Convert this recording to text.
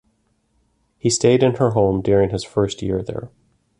He stayed in her home during his first year there.